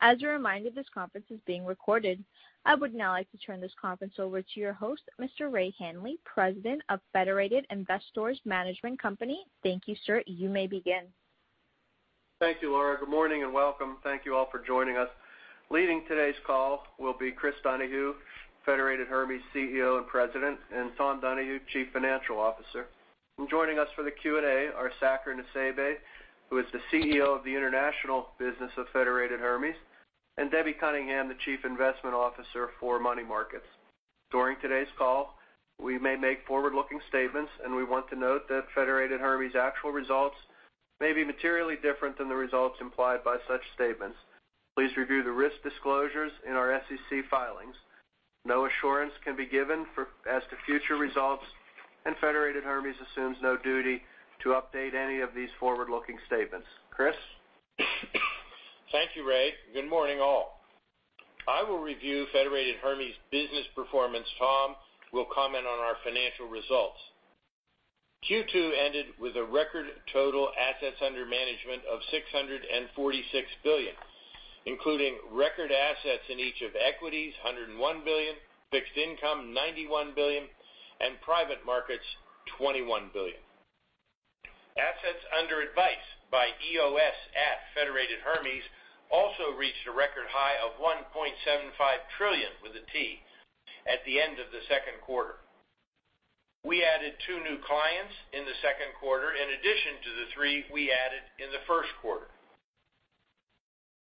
I would now like to turn this conference over to your host, Mr. Ray Hanley, President of Federated Investors Management Company. Thank you, sir. You may begin. Thank you, Laura. Good morning and welcome. Thank you all for joining us. Leading today's call will be Chris Donahue, Federated Hermes CEO and President, and Tom Donahue, Chief Financial Officer. Joining us for the Q&A are Saker Nusseibeh, who is the CEO of the international business of Federated Hermes, and Debbie Cunningham, the Chief Investment Officer for money markets. During today's call, we may make forward-looking statements, and we want to note that Federated Hermes actual results may be materially different than the results implied by such statements. Please review the risk disclosures in our SEC filings. No assurance can be given as to future results, and Federated Hermes assumes no duty to update any of these forward-looking statements. Chris? Thank you, Ray. Good morning, all. I will review Federated Hermes business performance. Tom will comment on our financial results. Q2 ended with a record total assets under management of $646 billion, including record assets in each of equities, $101 billion, fixed income, $91 billion, and private markets, $21 billion. Assets under advice by EOS at Federated Hermes also reached a record high of $1.75 trillion, with a T, at the end of the second quarter. We added two new clients in the second quarter, in addition to the three we added in the first quarter.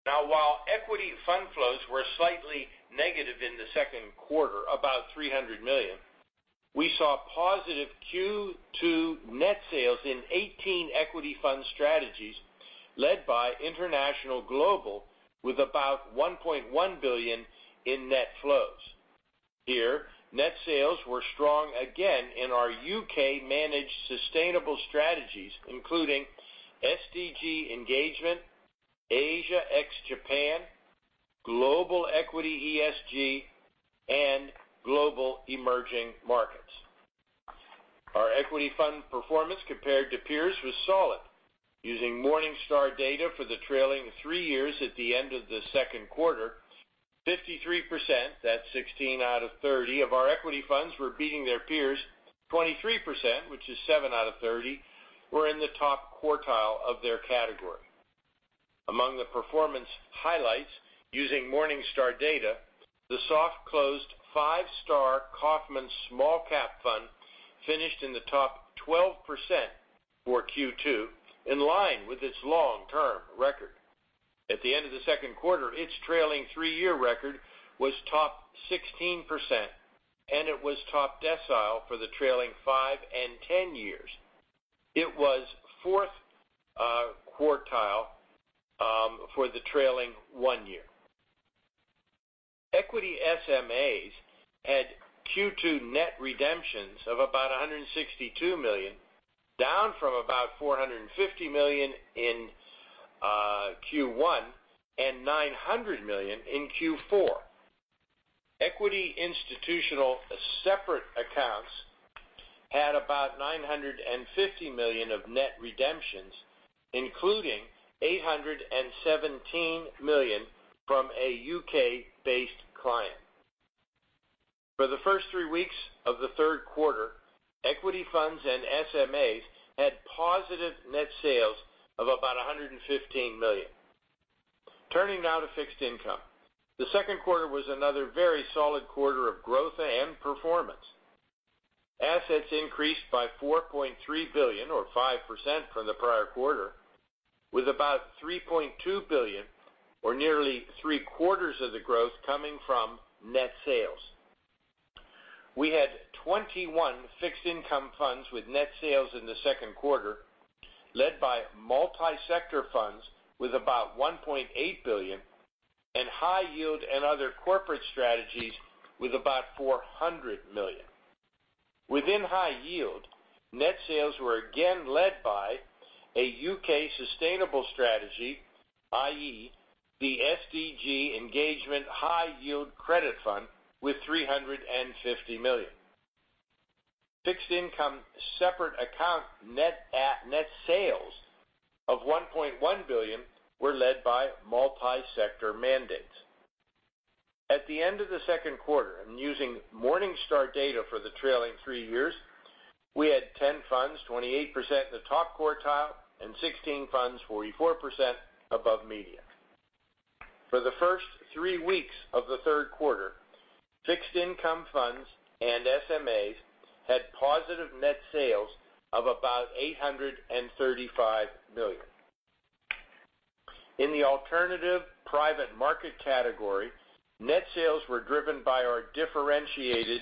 Now, while equity fund flows were slightly negative in the second quarter, about $300 million, we saw positive Q2 net sales in 18 equity fund strategies led by International Global with about $1.1 billion in net flows. Here, net sales were strong again in our U.K. managed sustainable strategies, including SDG Engagement, Asia ex-Japan, Global Equity ESG, and Global Emerging Markets. Our equity fund performance compared to peers was solid. Using Morningstar data for the trailing three years at the end of the second quarter, 53%, that's 16 out of 30 of our equity funds, were beating their peers. 23%, which is seven out of 30, were in the top quartile of their category. Among the performance highlights using Morningstar data, the soft closed five star Kaufmann Small Cap Fund finished in the top 12% for Q2, in line with its long-term record. At the end of the second quarter, its trailing three year record was top 16%, and it was top decile for the trailing five and 10 years. It was fourth quartile for the trailing one year. Equity SMAs had Q2 net redemptions of about $162 million, down from about $450 million in Q1 and $900 million in Q4. Equity institutional Separately Managed Accounts had about $950 million of net redemptions, including $817 million from a U.K. -based client. For the first three weeks of the third quarter, equity funds and SMAs had positive net sales of about $115 million. Turning now to fixed income. The second quarter was another very solid quarter of growth and performance. Assets increased by $4.3 billion or 5% from the prior quarter, with about $3.2 billion or nearly three-quarters of the growth coming from net sales. We had 21 fixed income funds with net sales in the second quarter, led by multi-sector funds with about $1.8 billion and high yield and other corporate strategies with about $400 million. Within high yield, net sales were again led by a U.K. sustainable strategy, i.e., the SDG Engagement High Yield Credit Fund with $350 million. Fixed income separate account net sales of $1.1 billion were led by multi-sector mandates. At the end of the second quarter, and using Morningstar data for the trailing three years, we had 10 funds, 28%, in the top quartile and 16 funds, 44%, above median. For the first three weeks of the third quarter, fixed income funds and SMAs had positive net sales of about $835 million. In the alternative private market category, net sales were driven by our differentiated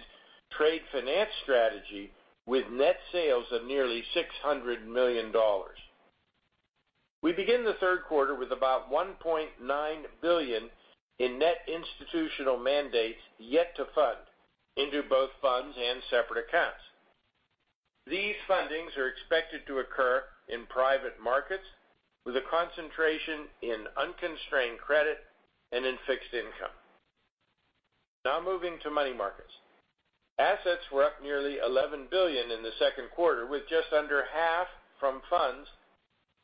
trade finance strategy with net sales of nearly $600 million. We begin the third quarter with about $1.9 billion in net institutional mandates yet to fund into both funds and separate accounts. These fundings are expected to occur in private markets with a concentration in unconstrained credit and in fixed income. Moving to money markets. Assets were up nearly $11 billion in the second quarter, with just under half from funds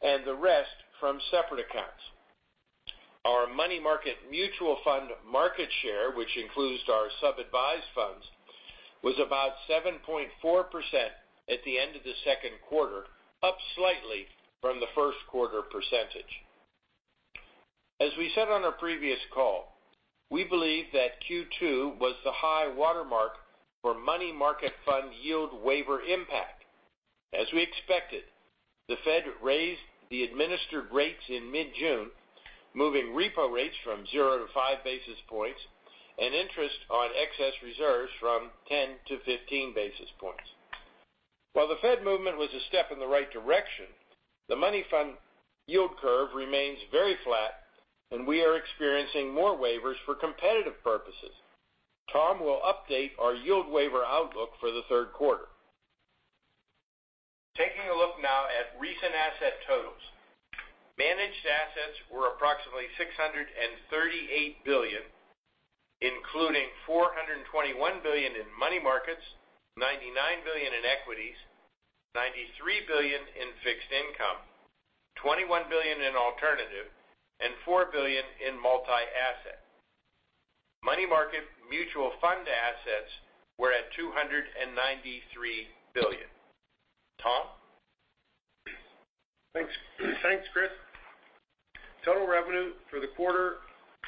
and the rest from separate accounts. Our money market mutual fund market share, which includes our sub-advised funds, was about 7.4% at the end of the second quarter, up slightly from the first quarter percentage. As we said on our previous call, we believe that Q2 was the high watermark for money market fund yield waiver impact. As we expected, the Fed raised the administered rates in mid-June, moving repo rates from zero to five basis points and interest on excess reserves from 10 to 15 basis points. While the Fed movement was a step in the right direction, the money fund yield curve remains very flat, and we are experiencing more waivers for competitive purposes. Tom will update our yield waiver outlook for the third quarter. Taking a look now at recent asset totals. Managed assets were approximately $638 billion, including $421 billion in money markets, $99 billion in equities, $93 billion in fixed income, $21 billion in alternative, and $4 billion in multi-asset. Money market mutual fund assets were at $293 billion. Tom? Thanks, Chris. Total revenue for the quarter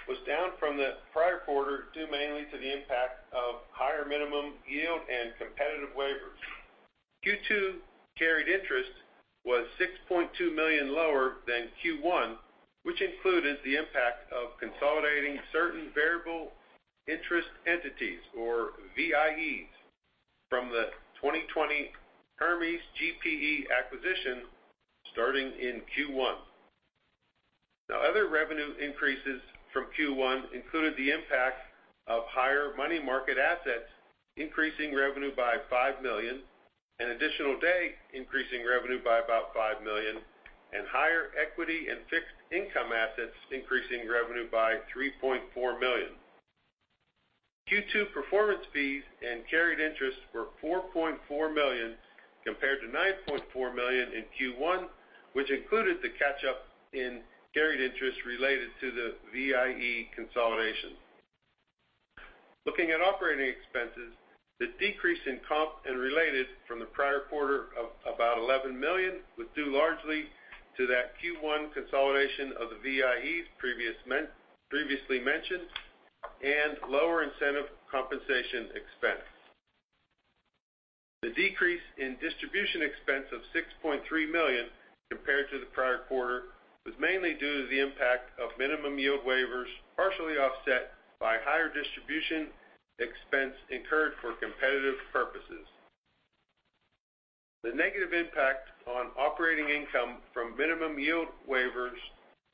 was down from the prior quarter, due mainly to the impact of higher minimum yield and competitive waivers. Q2 carried interest was $6.2 million lower than Q1, which included the impact of consolidating certain Variable Interest Entities, or VIEs, from the 2020 Hermes GPE acquisition starting in Q1. Other revenue increases from Q1 included the impact of higher money market assets, increasing revenue by $5 million, an additional day increasing revenue by about $5 million, and higher equity and fixed income assets increasing revenue by $3.4 million. Q2 performance fees and carried interest were $4.4 million, compared to $9.4 million in Q1, which included the catch-up in carried interest related to the VIE consolidation. Looking at operating expenses, the decrease in comp and related from the prior quarter of about $11 million was due largely to that Q1 consolidation of the VIEs previously mentioned, and lower incentive compensation expense. The decrease in distribution expense of $6.3 million compared to the prior quarter was mainly due to the impact of minimum yield waivers, partially offset by higher distribution expense incurred for competitive purposes. The negative impact on operating income from minimum yield waivers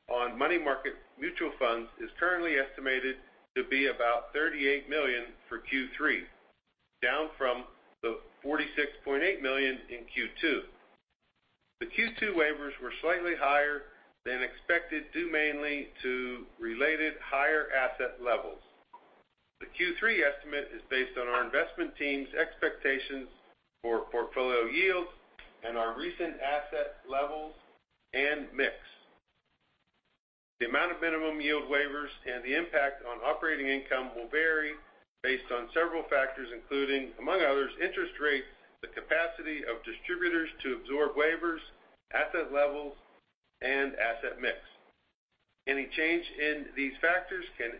on money market mutual funds is currently estimated to be about $38 million for Q3, down from the $46.8 million in Q2. The Q2 waivers were slightly higher than expected, due mainly to related higher asset levels. The Q3 estimate is based on our investment team's expectations for portfolio yields and our recent asset levels and mix. The amount of minimum yield waivers and the impact on operating income will vary based on several factors, including, among others, interest rates, the capacity of distributors to absorb waivers, asset levels, and asset mix. Any change in these factors can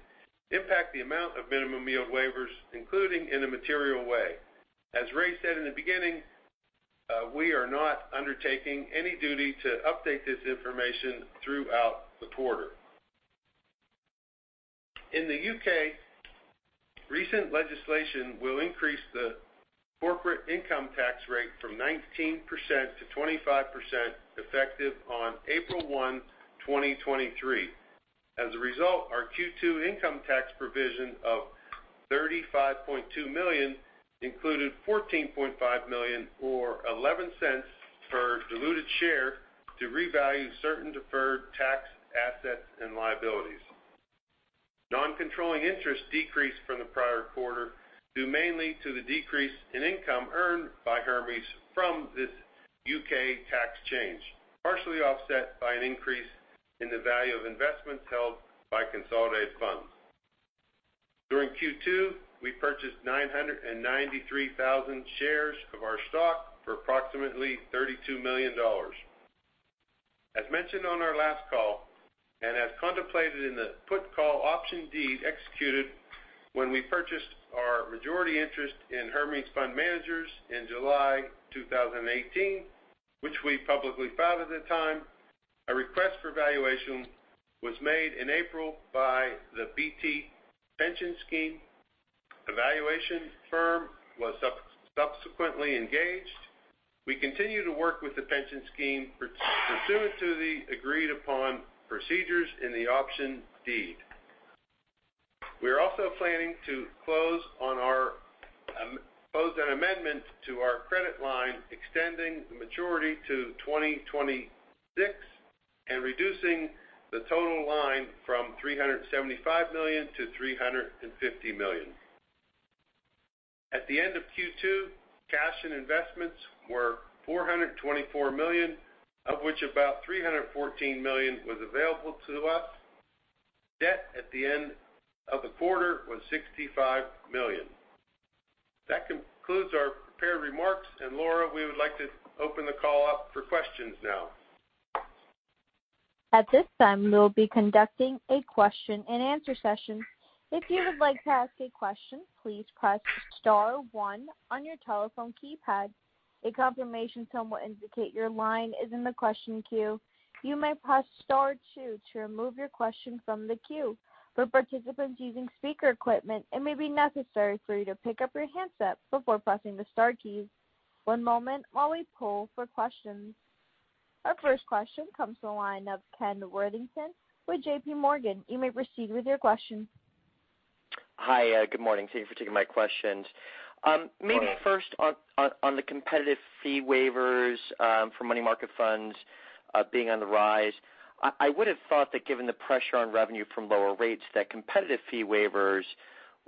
impact the amount of minimum yield waivers, including in a material way. As Ray said in the beginning, we are not undertaking any duty to update this information throughout the quarter. In the U.K., recent legislation will increase the corporate income tax rate from 19% to 25%, effective on April 1, 2023. As a result, our Q2 income tax provision of $35.2 million included $14.5 million, or $0.11 per diluted share, to revalue certain deferred tax assets and liabilities. Non-controlling interest decreased from the prior quarter due mainly to the decrease in income earned by Hermes from this U.K. tax change, partially offset by an increase in the value of investments held by consolidated funds. During Q2, we purchased 993,000 shares of our stock for approximately $32 million. As mentioned on our last call, as contemplated in the put/call option deed executed when we purchased our majority interest in Hermes Fund Managers in July 2018, which we publicly filed at the time, a request for valuation was made in April by the BT Pension Scheme evaluation firm was subsequently engaged. We continue to work with the pension scheme pursuant to the agreed-upon procedures in the option deed. We're also planning to close an amendment to our credit line, extending the maturity to 2026 and reducing the total line from $375 million-$350 million. At the end of Q2, cash and investments were $424 million, of which about $314 million was available to us. Debt at the end of the quarter was $65 million. That concludes our prepared remarks. Laura, we would like to open the call up for questions now. At this time, we'll be conducting a question and answer session. If you would like to ask a question, please press star one on your telephone keypad. A confirmation tone will indicate your line is in the question queue. You may press star two to remove your question from the queue. For participants using speaker equipment, it may be necessary for you to pick up your handset before pressing the star key. One moment while we poll for questions. Our first question comes from the line of Ken Worthington with JPMorgan. You may proceed with your question. Hi. Good morning. Thank you for taking my questions. Sure. Maybe first on the competitive fee waivers for money market funds being on the rise. I would have thought that given the pressure on revenue from lower rates, that competitive fee waivers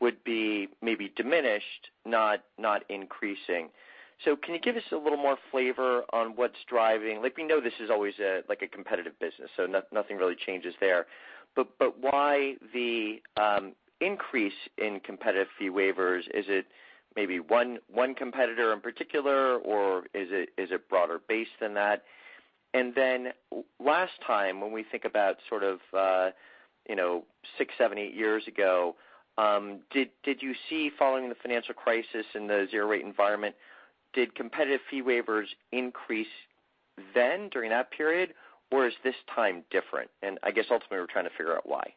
would be maybe diminished, not increasing. Can you give us a little more flavor on what's driving? We know this is always a competitive business, so nothing really changes there. Why the increase in competitive fee waivers? Is it maybe one competitor in particular, or is it broader based than that? Last time, when we think about sort of six, seven, eight years ago, did you see following the financial crisis and the zero rate environment, did competitive fee waivers increase then during that period, or is this time different? I guess ultimately we're trying to figure out why.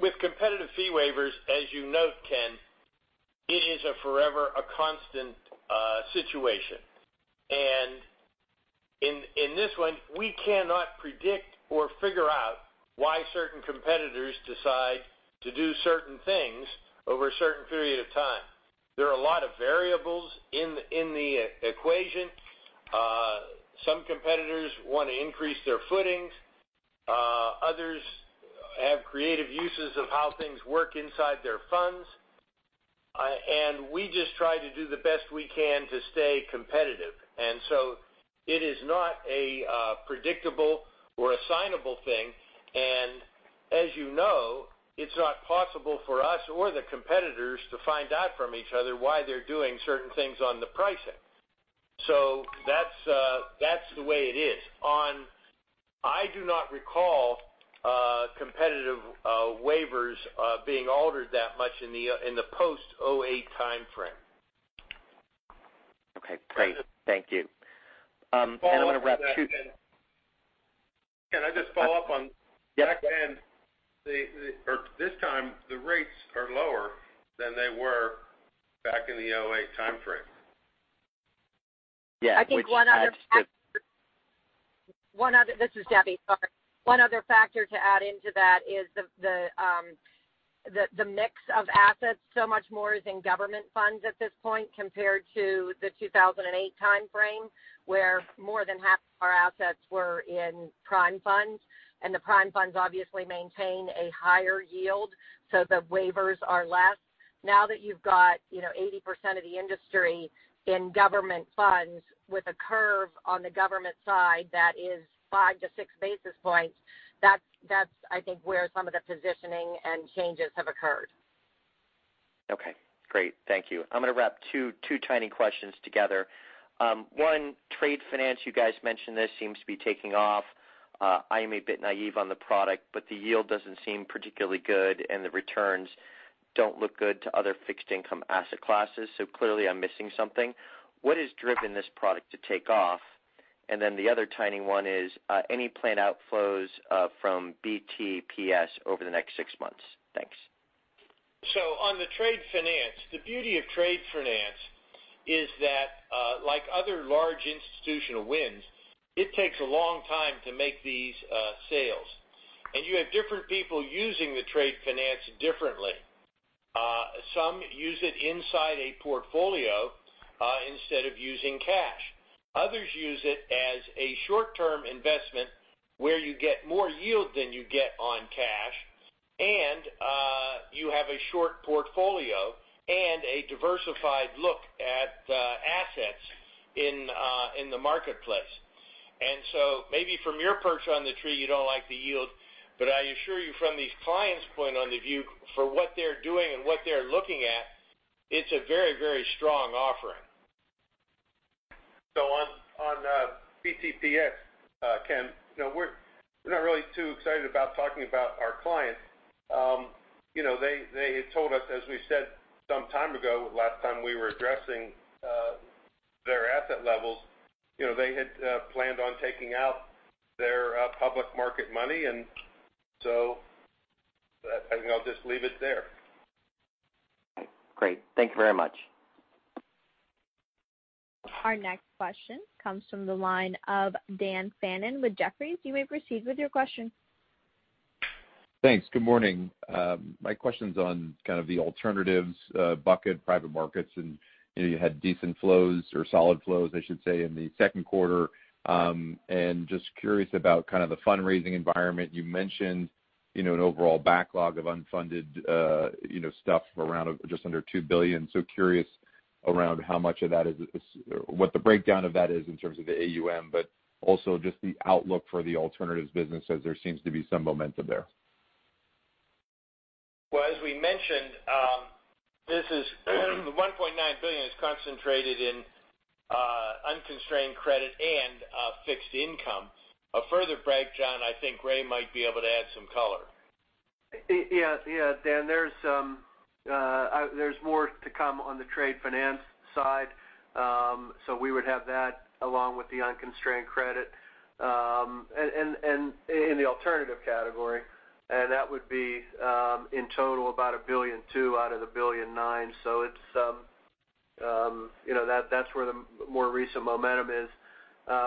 With competitive fee waivers, as you note, Ken, it is a forever, a constant situation. In this one, we cannot predict or figure out why certain competitors decide to do certain things over a certain period of time. There are a lot of variables in the equation. Some competitors want to increase their footings. Others have creative uses of how things work inside their funds. We just try to do the best we can to stay competitive. It is not a predictable or assignable thing. As you know, it's not possible for us or the competitors to find out from each other why they're doing certain things on the pricing. That's the way it is. I do not recall competitive waivers being altered that much in the post 2008 timeframe. Okay, great. Thank you. Can I just follow up on that, Ken? Yep. This time, the rates are lower than they were back in the 2008 timeframe. Yeah. I think one other factor. This is Debbie. Sorry. One other factor to add into that is the mix of assets. So much more is in government funds at this point compared to the 2008 timeframe, where more than half of our assets were in prime funds. The prime funds obviously maintain a higher yield, so the waivers are less. Now that you've got 80% of the industry in government funds with a curve on the government side that is five to six basis points, that's I think where some of the positioning and changes have occurred. Okay, great. Thank you. I'm going to wrap two tiny questions together. One, trade finance, you guys mentioned this seems to be taking off. I am a bit naïve on the product, but the yield doesn't seem particularly good, and the returns don't look good to other fixed income asset classes. Clearly I'm missing something. What has driven this product to take off? The other tiny one is, any planned outflows from BTPS over the next six months? Thanks. On the trade finance, the beauty of trade finance is that like other large institutional wins, it takes a long time to make these sales. You have different people using the trade finance differently. Some use it inside a portfolio instead of using cash. Others use it as a short-term investment where you get more yield than you get on cash. You have a short portfolio and a diversified look at assets in the marketplace. Maybe from your perch on the tree, you don't like the yield, but I assure you from these clients' point on the view for what they're doing and what they're looking at, it's a very strong offer On BTPS, Ken, we're not really too excited about talking about our clients. They had told us, as we said some time ago, last time we were addressing their asset levels. They had planned on taking out their public market money, and so I think I'll just leave it there. Great. Thank you very much. Our next question comes from the line of Daniel Fannon with Jefferies. You may proceed with your question. Thanks. Good morning. My question's on kind of the alternatives bucket private markets. You had decent flows or solid flows, I should say, in the second quarter. Just curious about kind of the fundraising environment. You mentioned an overall backlog of unfunded stuff of around just under $2 billion. Curious around what the breakdown of that is in terms of the AUM, but also just the outlook for the alternatives business as there seems to be some momentum there. Well, as we mentioned, the $1.9 billion is concentrated in unconstrained credit and fixed income. A further break, Dan, I think Ray might be able to add some color. Yeah. Dan, there's more to come on the trade finance side. We would have that along with the unconstrained credit in the alternative category. That would be, in total, about $1.2 billion out of the $1.9 billion. That's where the more recent momentum is.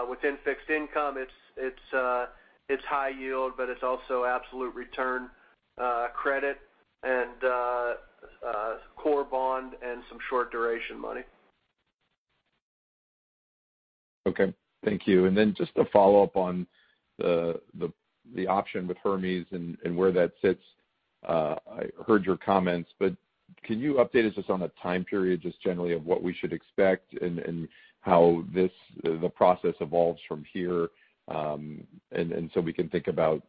Within fixed income, it's high yield, but it's also absolute return credit, and core bond, and some short duration money. Okay. Thank you. Just a follow-up on the option with Hermes and where that sits. I heard your comments, but can you update us just on a time period, just generally of what we should expect and how the process evolves from here? So we can think about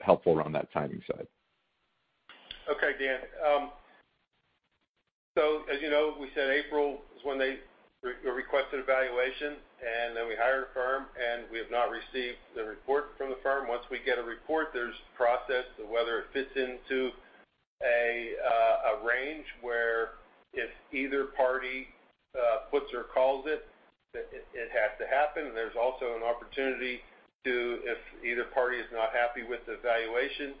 helpful around that timing side. Okay, Dan. As you know, we said April is when they requested valuation, and then we hired a firm, and we have not received the report from the firm. Once we get a report, there's process whether it fits into a range where if either party puts or calls it has to happen. There's also an opportunity to, if either party is not happy with the valuation,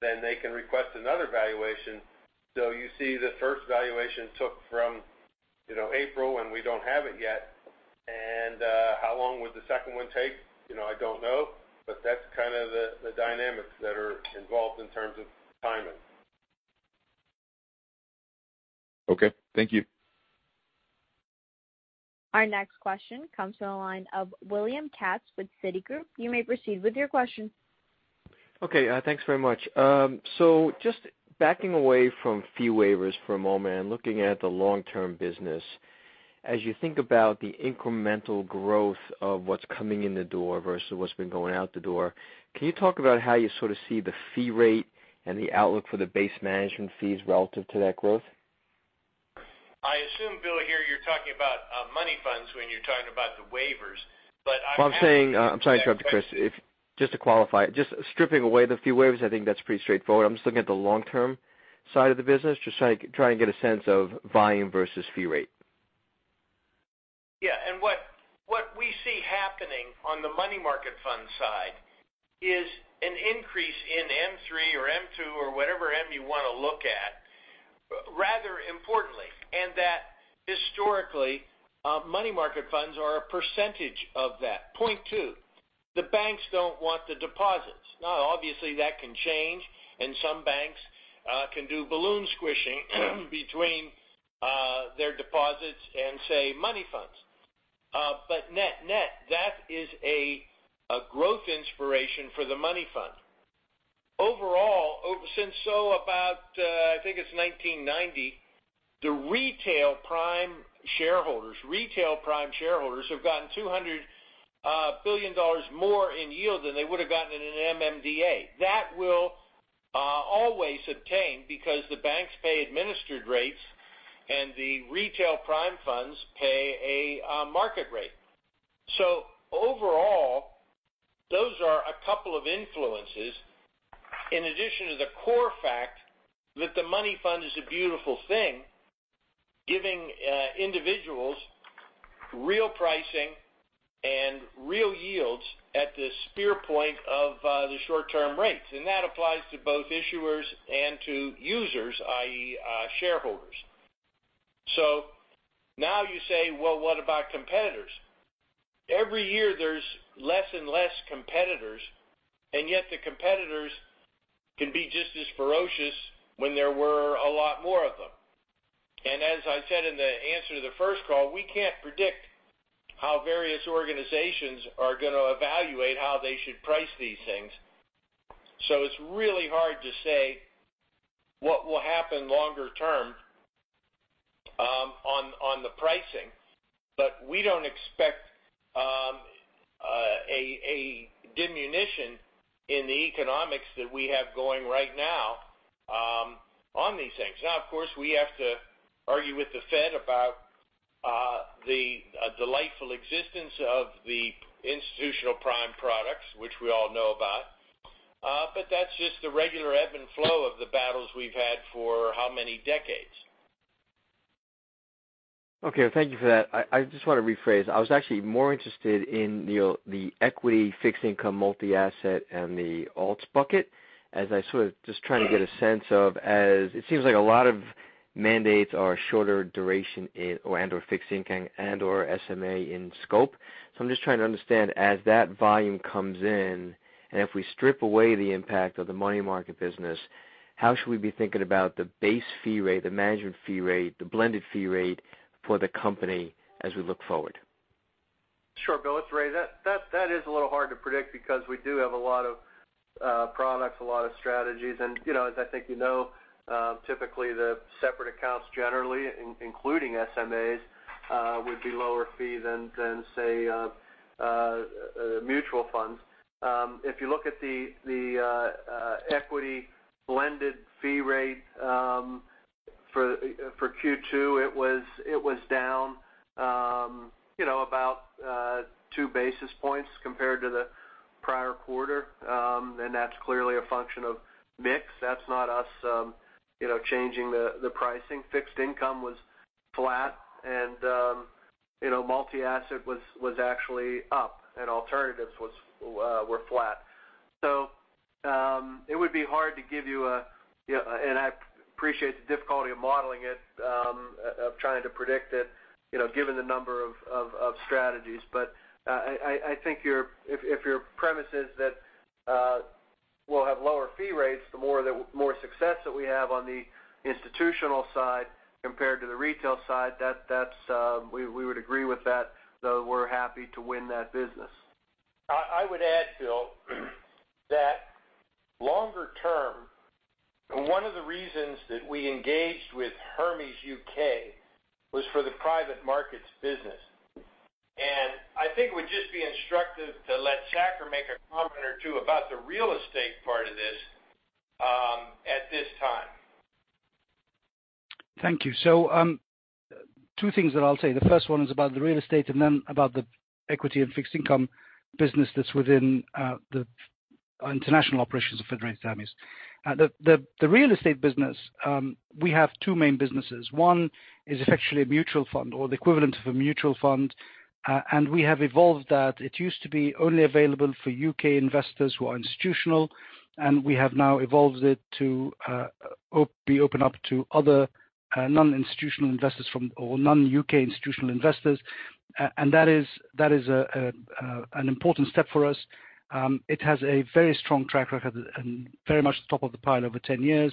then they can request another valuation. You see the first valuation took from April, and we don't have it yet. How long would the second one take? I don't know, but that's kind of the dynamics that are involved in terms of timing. Okay. Thank you. Our next question comes from the line of William Katz with Citigroup. Okay, thanks very much. Just backing away from fee waivers for a moment, looking at the long-term business. As you think about the incremental growth of what's coming in the door versus what's been going out the door, can you talk about how you sort of see the fee rate and the outlook for the base management fees relative to that growth? I assume, Bill, here you're talking about money funds when you're talking about the waivers. I'm sorry to interrupt you, Chris. Just to qualify, just stripping away the fee waivers, I think that's pretty straightforward. I'm just looking at the long-term side of the business. Just trying to get a sense of volume versus fee rate. Yeah. What we see happening on the money market fund side is an increase in M3 or M2 or whatever M you want to look at, rather importantly. That historically, money market funds are a percentage of that, 0.2%. The banks don't want the deposits. Now, obviously, that can change, and some banks can do balloon squishing between their deposits and, say, money funds. Net, that is a growth inspiration for the money fund. Overall, since about, I think it's 1990, the retail prime shareholders have gotten $200 billion more in yield than they would have gotten in an MMDA. That will always obtain because the banks pay administered rates and the retail prime funds pay a market rate. Overall, those are a couple of influences in addition to the core fact that the money fund is a beautiful thing, giving individuals real pricing and real yields at the spear point of the short-term rates. That applies to both issuers and to users, i.e., shareholders. Now you say, "Well, what about competitors?" Every year there's less and less competitors, and yet the competitors can be just as ferocious when there were a lot more of them. As I said in the answer to the first call, we can't predict how various organizations are going to evaluate how they should price these things. It's really hard to say what will happen longer term on the pricing. We don't expect a diminution in the economics that we have going right now on these things. Now, of course, we have to argue with the Fed about the delightful existence of the institutional prime products, which we all know about. That's just the regular ebb and flow of the battles we've had for how many decades. Okay. Thank you for that. I just want to rephrase. I was actually more interested in the equity fixed income multi-asset and the alts bucket as I sort of just trying to get a sense of as it seems like a lot of mandates are shorter duration and/or fixed income and/or SMA in scope. I'm just trying to understand as that volume comes in, and if we strip away the impact of the money market business, how should we be thinking about the base fee rate, the management fee rate, the blended fee rate for the company as we look forward? Sure, Bill. That is a little hard to predict because we do have a lot of products, a lot of strategies. As I think you know, typically the separate accounts, generally including SMAs, would be lower fee than, say, mutual funds. If you look at the equity blended fee rate for Q2, it was down about two basis points compared to the prior quarter. That's clearly a function of mix. That's not us changing the pricing. Fixed income was flat, and multi-asset was actually up, and alternatives were flat. It would be hard to give you a, and I appreciate the difficulty of modeling it, of trying to predict it, given the number of strategies. I think if your premise is that we'll have lower fee rates, the more success that we have on the institutional side compared to the retail side, we would agree with that, though we're happy to win that business. I would add, Bill, that longer term, one of the reasons that we engaged with Hermes UK was for the private markets business. I think it would just be instructive to let Saker make a comment or two about the real estate part of this at this time. Thank you. Two things that I'll say. The first one is about the real estate and then about the equity and fixed income business that's within the international operations of Federated Hermes. The real estate business, we have two main businesses. One is effectively a mutual fund or the equivalent of a mutual fund. We have evolved that. It used to be only available for U.K. investors who are institutional, and we have now evolved it to be open up to other non-institutional investors from, or non-U.K. institutional investors. That is an important step for us. It has a very strong track record and very much top of the pile over 10 years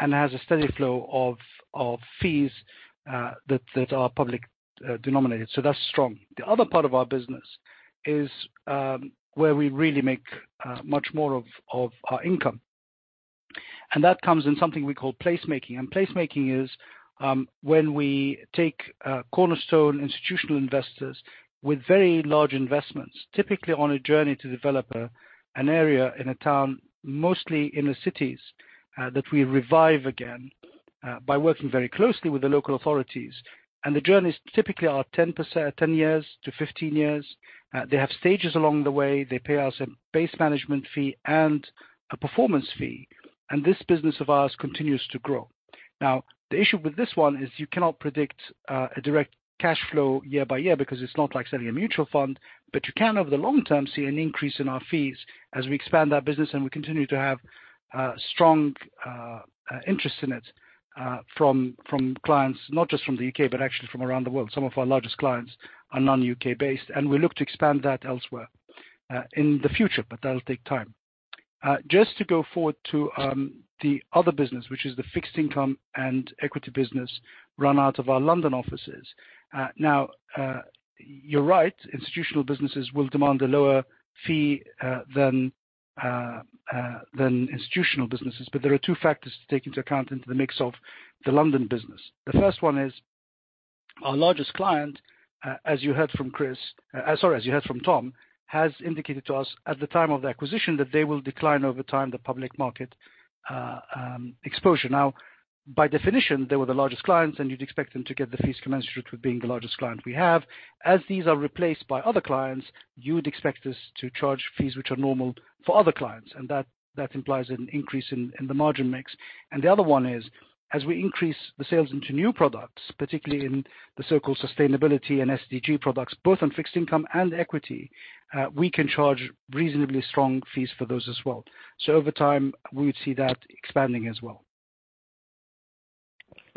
and has a steady flow of fees that are public denominated. That's strong. The other part of our business is where we really make much more of our income. That comes in something we call placemaking. Placemaking is when we take cornerstone institutional investors with very large investments, typically on a journey to develop an area in a town, mostly inner cities, that we revive again by working very closely with the local authorities. The journeys typically are 10 years to 15 years. They have stages along the way. They pay us a base management fee and a performance fee. This business of ours continues to grow. Now, the issue with this one is you cannot predict a direct cash flow year by year because it's not like selling a mutual fund. You can, over the long term, see an increase in our fees as we expand that business and we continue to have strong interest in it from clients, not just from the U.K., but actually from around the world. Some of our largest clients are non-U.K. based. We look to expand that elsewhere in the future. That'll take time. Just to go forward to the other business, which is the fixed income and equity business run out of our London offices. You're right, institutional businesses will demand a lower fee than institutional businesses. There are two factors to take into account into the mix of the London business. The first one is our largest client, as you heard from Tom, has indicated to us at the time of the acquisition that they will decline over time the public market exposure. By definition, they were the largest clients. You'd expect them to get the fees commensurate with being the largest client we have. As these are replaced by other clients, you would expect us to charge fees which are normal for other clients, and that implies an increase in the margin mix. The other one is as we increase the sales into new products, particularly in the so-called sustainability and SDG products, both on fixed income and equity, we can charge reasonably strong fees for those as well. Over time, we would see that expanding as well.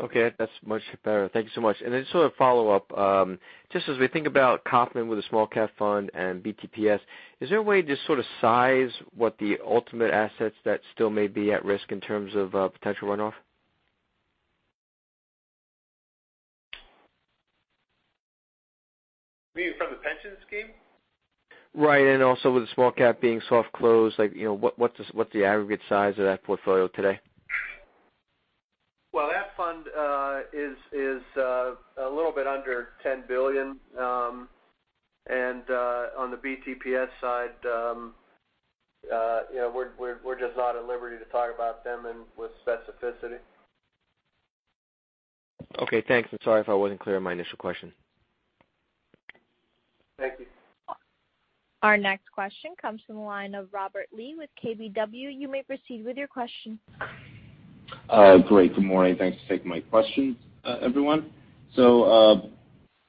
Okay. That's much better. Thank you so much. Sort of follow-up, just as we think about Kaufmann with the small cap fund and BTPS, is there a way to sort of size what the ultimate assets that still may be at risk in terms of potential runoff? You mean from the pension scheme? Right. Also with the small cap being soft closed, what's the aggregate size of that portfolio today? Well, that fund is a little bit under $10 billion. On the BTPS side we're just not at liberty to talk about them with specificity. Okay, thanks. Sorry if I wasn't clear on my initial question. Thank you. Our next question comes from the line of Robert Lee with KBW. You may proceed with your question. Great. Good morning. Thanks for taking my questions, everyone.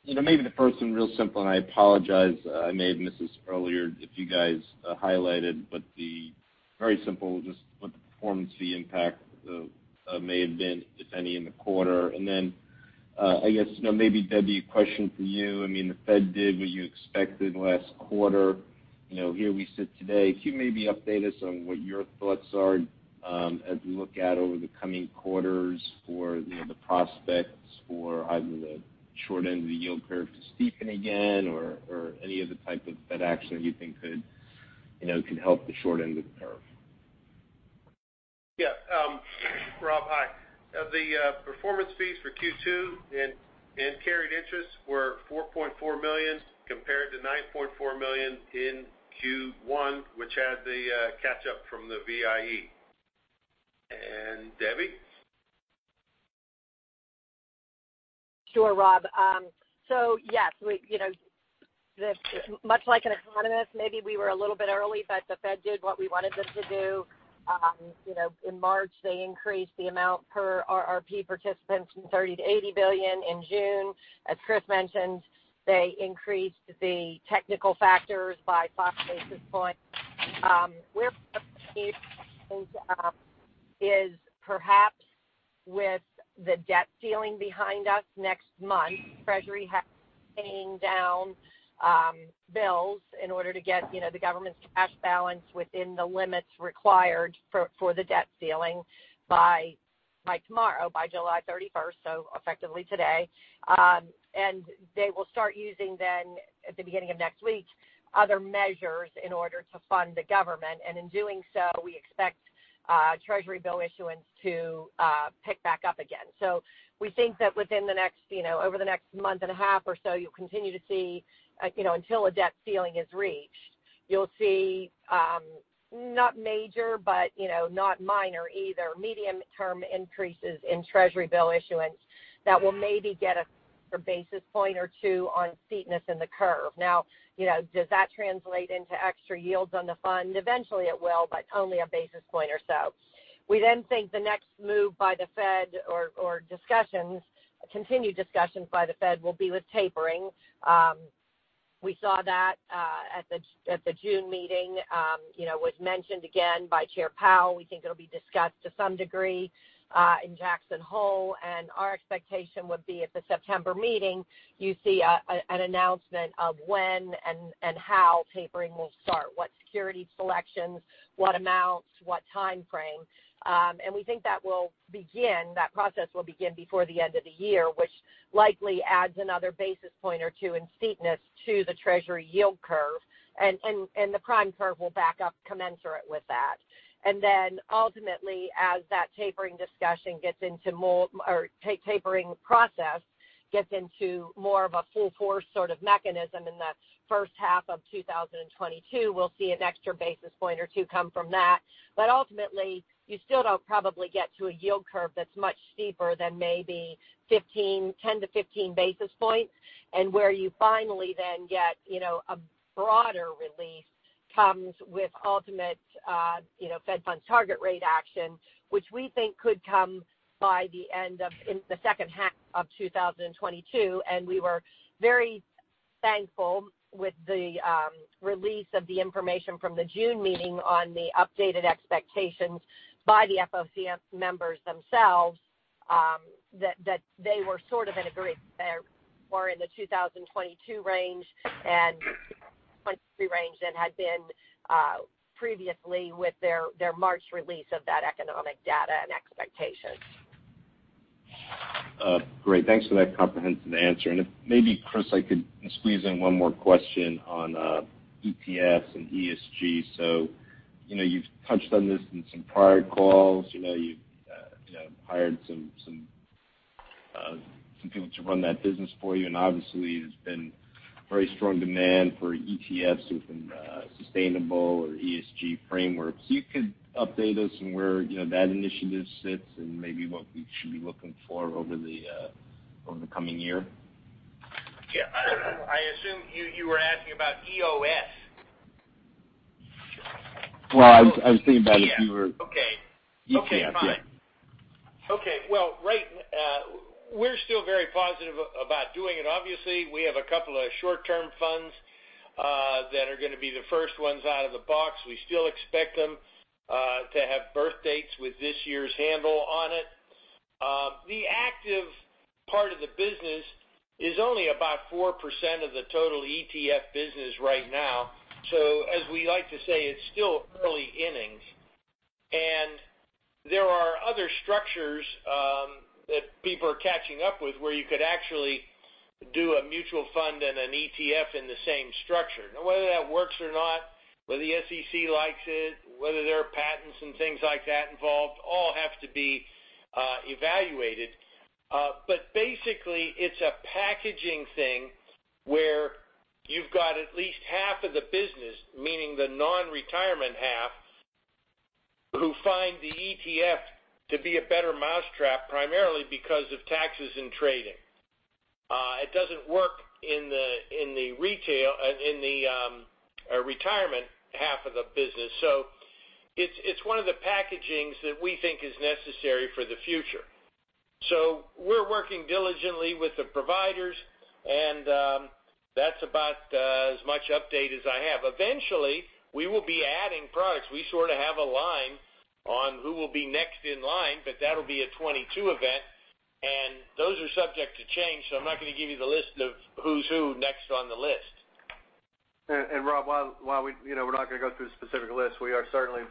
Maybe the first one, real simple, and I apologize I may have missed this earlier if you guys highlighted, but very simple, just what the performance fee impact may have been, if any, in the quarter. I guess maybe Debbie, a question for you. The Fed did what you expected last quarter. Here we sit today. Can you maybe update us on what your thoughts are as we look out over the coming quarters for the prospects for either the short end of the yield curve to steepen again or any other type of Fed action you think could help the short end of the curve? Yeah. Robert, the performance fees for Q2 and carried interests were $4.4 million compared to $9.4 million in Q1, which had the catch-up from the VIE. Debbie? Sure, Robert, yes much like an economist, maybe we were a little bit early, but the Fed did what we wanted them to do. In March, they increased the amount per RRP participant from $30 billion to $80 billion in June. As Chris mentioned, they increased the technical factors by five basis points. Perhaps with the debt ceiling behind us next month, Treasury has been paying down bills in order to get the government's cash balance within the limits required for the debt ceiling by tomorrow, by July 31st, so effectively today. They will start using then, at the beginning of next week, other measures in order to fund the government. In doing so, we expect Treasury bill issuance to pick back up again. We think that over the next month and a half or so, you'll continue to see, until a debt ceiling is reached, you'll see not major, but not minor either, medium-term increases in Treasury bill issuance that will maybe get a basis point or two on steepness in the curve. Does that translate into extra yields on the fund? Eventually it will, but only a basis point or so. We think the next move by the Fed or continued discussions by the Fed will be with tapering. We saw that at the June meeting. It was mentioned again by Chair Powell. We think it'll be discussed to some degree in Jackson Hole. Our expectation would be at the September meeting, you see an announcement of when and how tapering will start, what security selections, what amounts, what timeframe. We think that process will begin before the end of the year, which likely adds another basis point or two in steepness to the Treasury yield curve, and the prime curve will back up commensurate with that. Ultimately, as that tapering process gets into more of a full-force sort of mechanism in the first half of 2022, we'll see an extra basis point or two come from that. Ultimately, you still don't probably get to a yield curve that's much steeper than maybe 10 to 15 basis points. Where you finally then get a broader release comes with ultimate Fed funds target rate action, which we think could come in the second half of 2022. We were very thankful with the release of the information from the June meeting on the updated expectations by the FOMC members themselves, that they were sort of in agreement there, or in the 2022 range than had been previously with their March release of that economic data and expectations. Great. Thanks for that comprehensive answer. If maybe, Chris, I could squeeze in one more question on ETFs and ESG. You've touched on this in some prior calls. You've hired some people to run that business for you, and obviously, there's been very strong demand for ETFs within sustainable or ESG frameworks. If you could update us on where that initiative sits and maybe what we should be looking for over the coming year. Yeah. I assume you were asking about EOS. Well, I was thinking about. Okay. Yeah. Okay, fine. Okay. Well, we're still very positive about doing it, obviously. We have a couple of short-term funds that are going to be the first ones out of the box. We still expect them to have birth dates with this year's handle on it. The active part of the business is only about 4% of the total ETF business right now. As we like to say, it's still early innings. There are other structures that people are catching up with where you could actually do a mutual fund and an ETF in the same structure. Whether that works or not, whether the SEC likes it, whether there are patents and things like that involved, all have to be evaluated. Basically, it's a packaging thing where you've got at least half of the business, meaning the non-retirement half. Who find the ETF to be a better mousetrap, primarily because of taxes and trading. It doesn't work in the retirement half of the business. It's one of the packagings that we think is necessary for the future. We're working diligently with the providers, and that's about as much update as I have. Eventually, we will be adding products. We sort of have a line on who will be next in line, but that'll be a 2022 event, and those are subject to change. I'm not going to give you the list of who's who next on the list. Rob, while we're not going to go through a specific list, we are certainly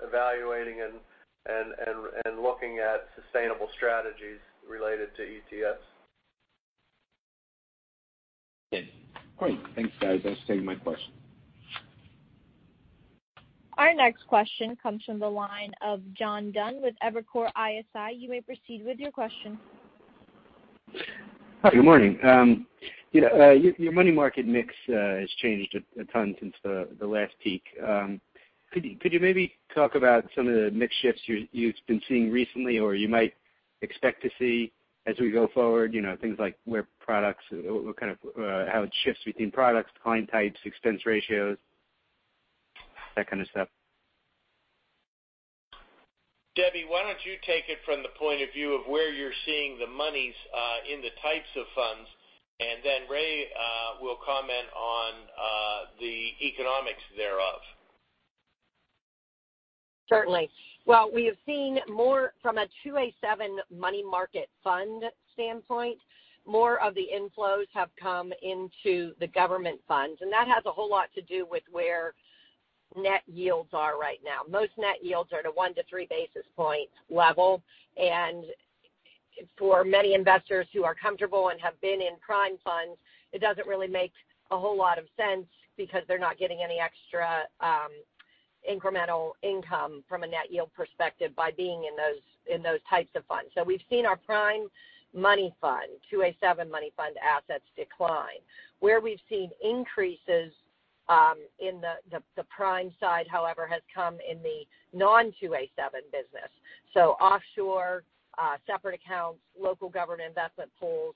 evaluating and looking at sustainable strategies related to ETFs. Great. Thanks, guys. That's taken my question. Our next question comes from the line of John Dunn with Evercore ISI. You may proceed with your question. Good morning. Your money market mix has changed a ton since the last peak. Could you maybe talk about some of the mix shifts you've been seeing recently or you might expect to see as we go forward, things like how it shifts between products, client types, expense ratios, that kind of stuff? Debbie, why don't you take it from the point of view of where you're seeing the monies in the types of funds, and then Ray will comment on the economics thereof. Certainly. Well, we have seen more from a 2a-7 money market fund standpoint. More of the inflows have come into the government funds, and that has a whole lot to do with where net yields are right now. Most net yields are at a one to three basis point level, and for many investors who are comfortable and have been in prime funds, it doesn't really make a whole lot of sense because they're not getting any extra incremental income from a net yield perspective by being in those types of funds. We've seen our prime money fund, 2a-7 money fund assets decline. Where we've seen increases in the prime side, however, has come in the non-2a-7 business. Offshore, separate accounts, local government investment pools,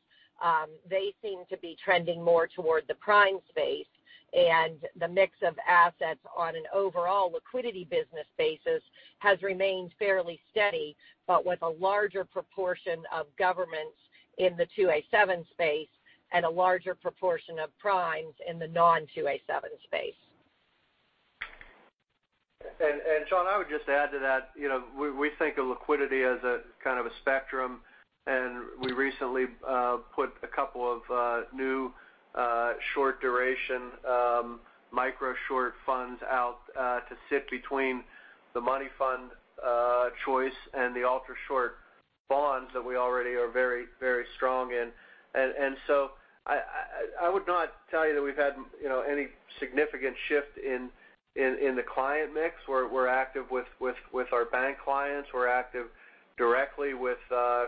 they seem to be trending more toward the prime space, the mix of assets on an overall liquidity business basis has remained fairly steady, but with a larger proportion of governments in the 2a-7 space and a larger proportion of primes in the non-2a-7 space. John, I would just add to that, we think of liquidity as a kind of a spectrum, and we recently put a couple of new short duration micro short funds out to sit between the money fund choice and the ultra short bonds that we already are very, very strong in. I would not tell you that we've had any significant shift in the client mix. We're active with our bank clients. We're active directly with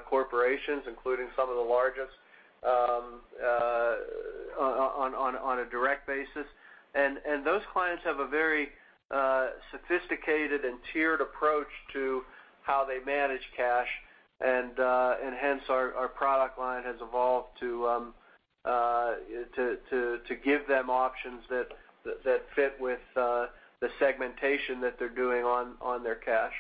corporations, including some of the largest on a direct basis. Those clients have a very sophisticated and tiered approach to how they manage cash. Hence our product line has evolved to give them options that fit with the segmentation that they're doing on their cash.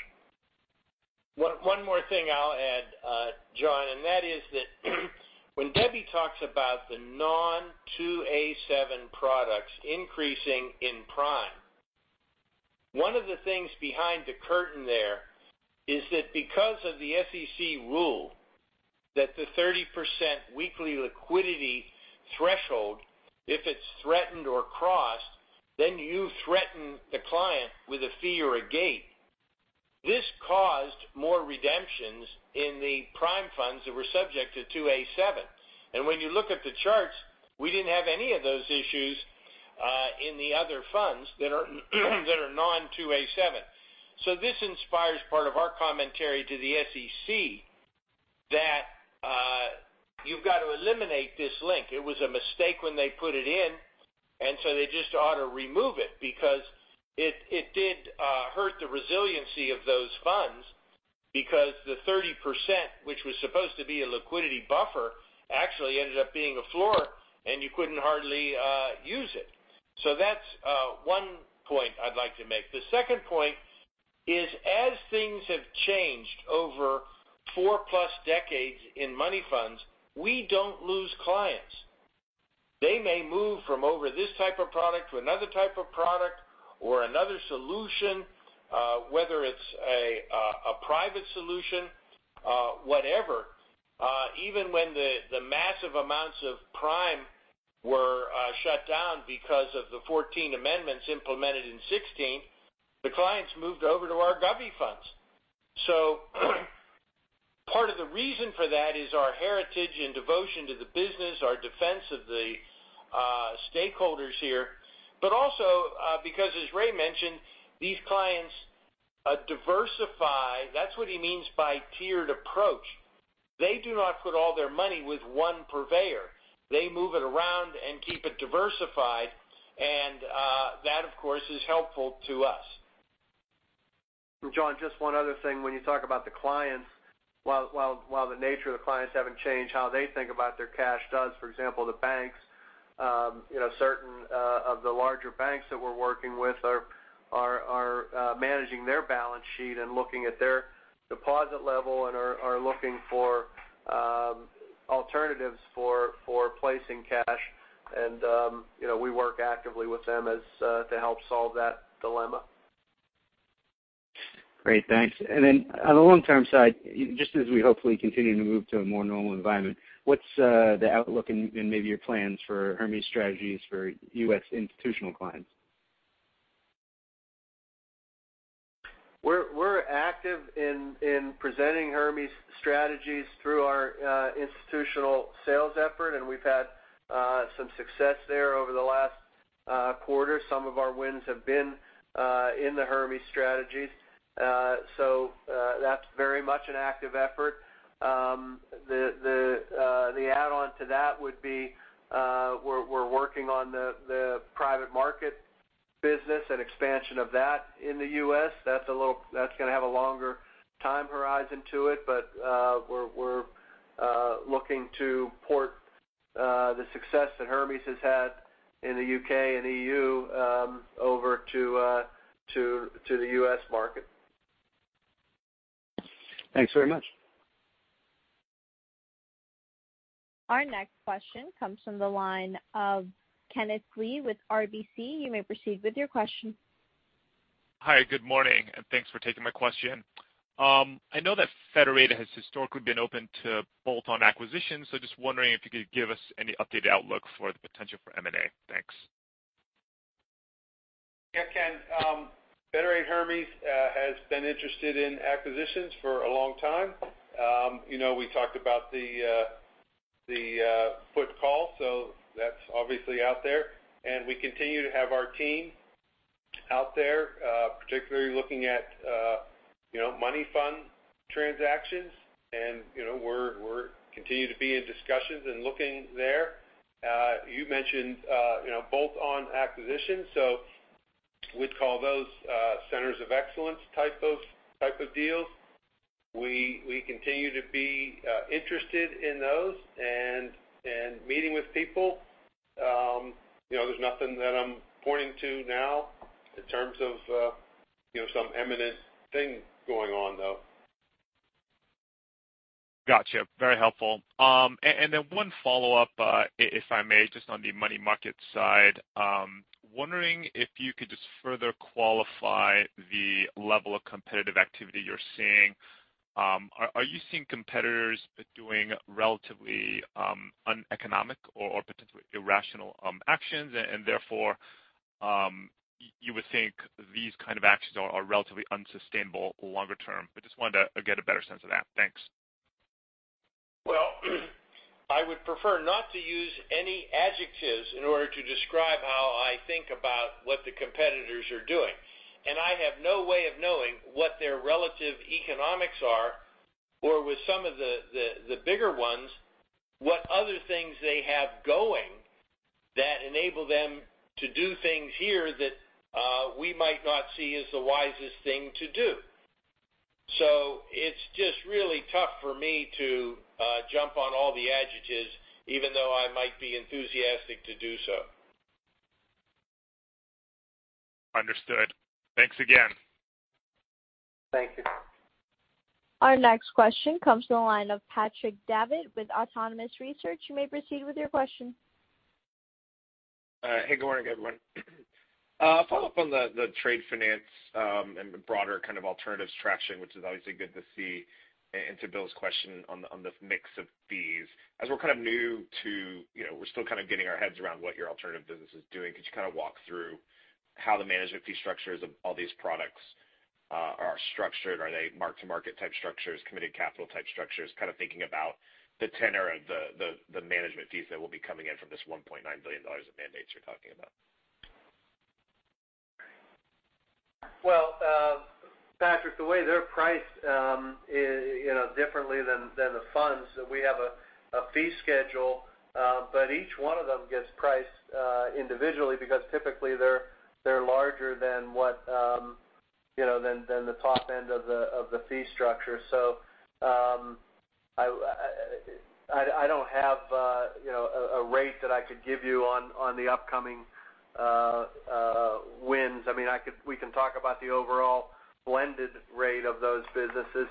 One more thing I'll add, John, and that is that when Debbie talks about the non-2a-7 products increasing in prime, one of the things behind the curtain there is that because of the SEC rule that the 30% weekly liquidity threshold, if it's threatened or crossed, then you threaten the client with a fee or a gate. This caused more redemptions in the prime funds that were subject to 2a-7. When you look at the charts, we didn't have any of those issues in the other funds that are non-2a-7. This inspires part of our commentary to the SEC that you've got to eliminate this link. It was a mistake when they put it in, and so they just ought to remove it because it did hurt the resiliency of those funds because the 30%, which was supposed to be a liquidity buffer, actually ended up being a floor, and you couldn't hardly use it. That's one point I'd like to make. The second point is, as things have changed over fourplus decades in money funds, we don't lose clients. They may move from over this type of product to another type of product or another solution, whether it's a private solution, whatever. Even when the massive amounts of prime were shut down because of the 14 amendments implemented in 2016, the clients moved over to our govvy funds. Part of the reason for that is our heritage and devotion to the business, our defense of the stakeholders here, but also because, as Ray mentioned, these clients diversify. That's what he means by tiered approach. They do not put all their money with one purveyor. They move it around and keep it diversified, and that, of course, is helpful to us. John, just one other thing. When you talk about the clients, while the nature of the clients haven't changed how they think about their cash does, for example, the banks. Certain of the larger banks that we're working with are managing their balance sheet and looking at their deposit level and are looking for alternatives for placing cash. We work actively with them to help solve that dilemma. Great, thanks. On the long-term side, just as we hopefully continue to move to a more normal environment, what's the outlook and maybe your plans for Hermes strategies for U.S. institutional clients? We're active in presenting Hermes strategies through our institutional sales effort, and we've had some success there over the last quarter. Some of our wins have been in the Hermes strategies. That's very much an active effort. The add-on to that would be we're working on the private market business and expansion of that in the U.S. That's going to have a longer time horizon to it, but we're looking to port the success that Hermes has had in the U.K. and EU over to the U.S. market. Thanks very much. Our next question comes from the line of Kenneth Lee with RBC. You may proceed with your question. Hi, good morning, and thanks for taking my question. I know that Federated has historically been open to bolt-on acquisitions. Just wondering if you could give us any updated outlook for the potential for M&A. Thanks. Yeah, Ken. Federated Hermes has been interested in acquisitions for a long time. We talked about the put call, so that's obviously out there, and we continue to have our team out there, particularly looking at money fund transactions, and we continue to be in discussions and looking there. You mentioned bolt-on acquisitions, so we'd call those centers of excellence type of deals. We continue to be interested in those and meeting with people. There's nothing that I'm pointing to now in terms of some eminent thing going on, though. Got you. Very helpful. Then one follow-up, if I may, just on the money market side. Wondering if you could just further qualify the level of competitive activity you're seeing. Are you seeing competitors doing relatively uneconomic or potentially irrational actions, and therefore, you would think these kind of actions are relatively unsustainable longer term? I just wanted to get a better sense of that. Thanks. Well, I would prefer not to use any adjectives in order to describe how I think about what the competitors are doing. I have no way of knowing what their relative economics are, or with some of the bigger ones, what other things they have going that enable them to do things here that we might not see as the wisest thing to do. It's just really tough for me to jump on all the adjectives, even though I might be enthusiastic to do so. Understood. Thanks again. Thank you. Our next question comes from the line of Patrick Davitt with Autonomous Research. You may proceed with your question. Hey, good morning, everyone. A follow-up on the trade finance and the broader kind of alternatives traction, which is obviously good to see, and to Bill's question on the mix of fees. We're still kind of getting our heads around what your alternative business is doing. Could you kind of walk through how the management fee structures of all these products are structured? Are they mark-to-market type structures, committed capital type structures, kind of thinking about the tenor of the management fees that will be coming in from this $1.9 billion of mandates you're talking about? Well, Patrick, the way they're priced differently than the funds, we have a fee schedule but each one of them gets priced individually because typically they're larger than the top end of the fee structure. I don't have a rate that I could give you on the upcoming wins. We can talk about the overall blended rate of those businesses.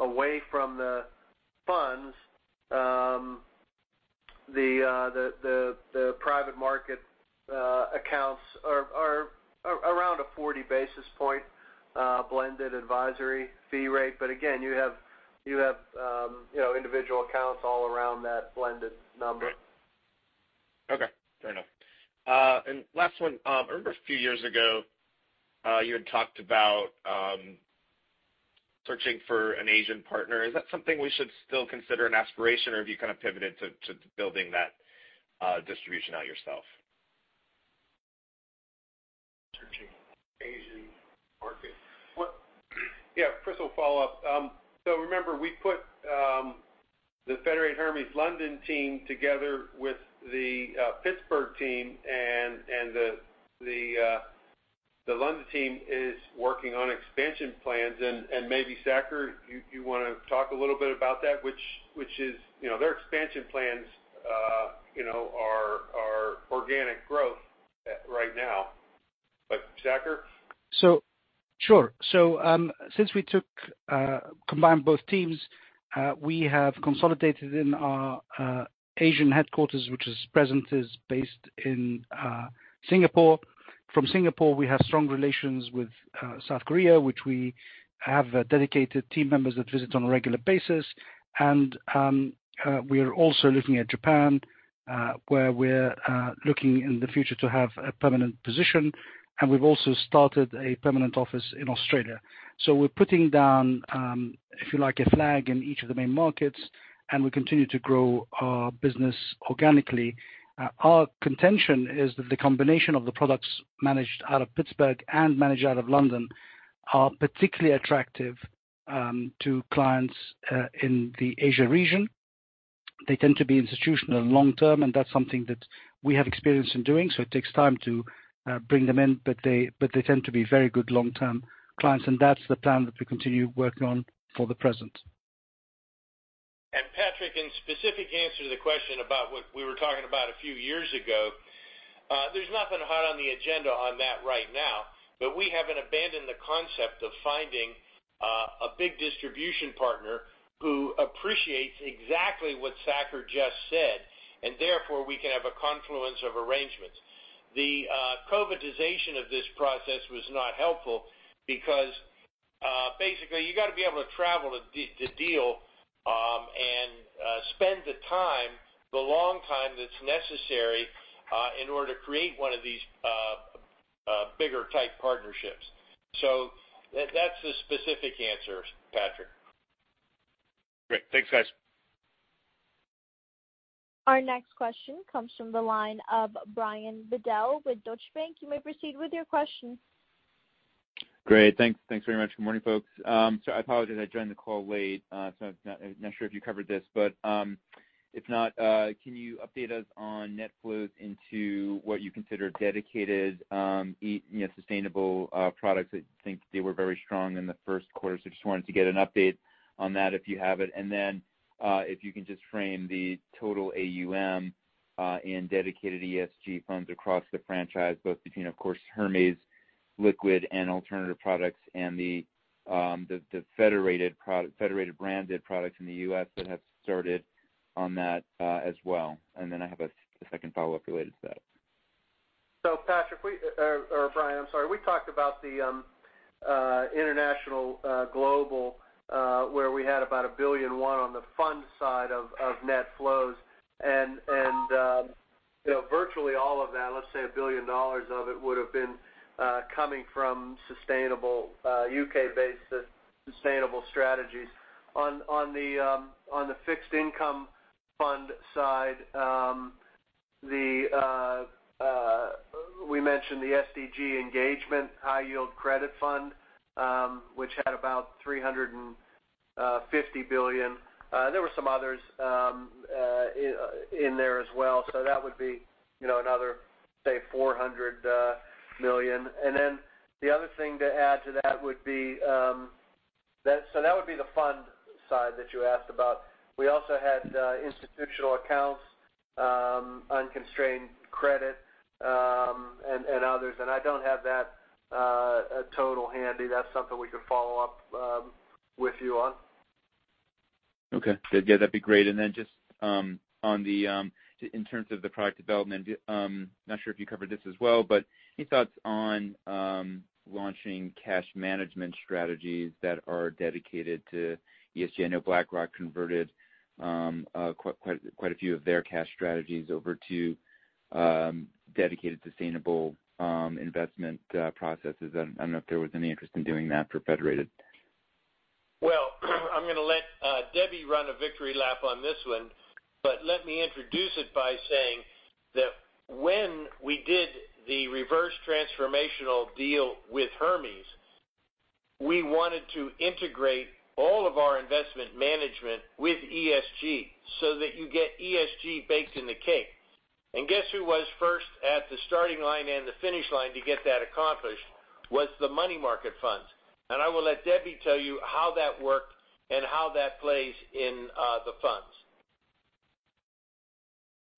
Away from the funds, the private market accounts are around a 40 basis point blended advisory fee rate. Again, you have individual accounts all around that blended number. Okay. Fair enough. Last one. I remember a few years ago, you had talked about searching for an Asian partner. Is that something we should still consider an aspiration, or have you kind of pivoted to building that distribution out yourself? Yeah, Chris, I'll follow up. Remember, we put the Federated Hermes London team together with the Pittsburgh team, and the London team is working on expansion plans. Maybe, Saker, you want to talk a little bit about that? Their expansion plans are organic growth right now. Saker? Sure. Since we combined both teams, we have consolidated in our Asian headquarters, which is present, is based in Singapore. From Singapore, we have strong relations with South Korea, which we have dedicated team members that visit on a regular basis. We are also looking at Japan, where we're looking in the future to have a permanent position. We've also started a permanent office in Australia. We're putting down, if you like, a flag in each of the main markets, and we continue to grow our business organically. Our contention is that the combination of the products managed out of Pittsburgh and managed out of London are particularly attractive to clients in the Asia region. They tend to be institutional long-term, and that's something that we have experience in doing. It takes time to bring them in, but they tend to be very good long-term clients, and that's the plan that we continue working on for the present. Patrick, in specific answer to the question about what we were talking about a few years ago, there's nothing hot on the agenda on that right now. We haven't abandoned the concept of finding a big distribution partner who appreciates exactly what Saker just said, and therefore, we can have a confluence of arrangements. The COVIDization of this process was not helpful because basically you got to be able to travel to deal and spend the time, the long time that's necessary in order to create one of these bigger type partnerships. That's the specific answer, Patrick. Great. Thanks, guys. Our next question comes from the line of Brian Bedell with Deutsche Bank. You may proceed with your question. Great. Thanks very much. Good morning, folks. I apologize, I joined the call late. I'm not sure if you covered this, but if not, can you update us on net flows into what you consider dedicated sustainable products? I think they were very strong in the first quarter, so just wanted to get an update on that if you have it. If you can just frame the total AUM in dedicated ESG funds across the franchise, both between, of course, Hermes liquid and alternative products and the Federated branded products in the U.S. that have started on that as well. I have a second follow-up related to that. Patrick, or Brian, I'm sorry. We talked about the international global, where we had about $1.1 billion on the fund side of net flows. Virtually all of that, let's say $1 billion of it, would've been coming from sustainable U.K. -based sustainable strategies. On the fixed income fund side, we mentioned the SDG Engagement High Yield Credit Fund, which had about $350 billion. There were some others in there as well. That would be another, say, $400 million. That would be the fund side that you asked about. We also had institutional accounts, unconstrained credit, and others, and I don't have that total handy. That's something we could follow up with you on. Okay. Yeah, that'd be great. Just in terms of the product development, not sure if you covered this as well, any thoughts on launching cash management strategies that are dedicated to ESG? I know BlackRock converted quite a few of their cash strategies over to dedicated sustainable investment processes. I don't know if there was any interest in doing that for Federated. Well, I'm going to let Debbie run a victory lap on this one, but let me introduce it by saying that when we did the reverse transformational deal with Hermes, we wanted to integrate all of our investment management with ESG so that you get ESG baked in the cake. Guess who was first at the starting line and the finish line to get that accomplished, was the money market funds. I will let Debbie tell you how that worked and how that plays in the funds.